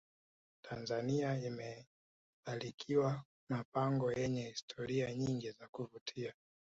tanzania imebarikiwa mapango yenye historia nyingi na za kuvutia